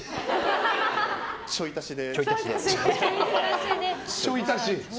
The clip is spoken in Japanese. ちょい足しで。